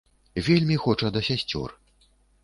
Вельмі хоча да сясцёр.